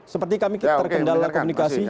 seperti kami terkendala komunikasi